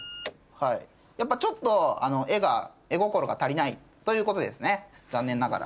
やっぱちょっと絵が絵心が足りないということですね残念ながら。